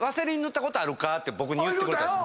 僕に言ってくれたんです。